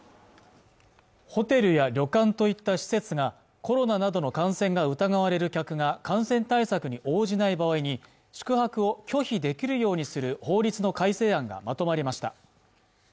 ホテルや旅館といった施設がコロナなどの感染が疑われる客が感染対策に応じない場合に宿泊を拒否できるようにする法律の改正案がまとまりました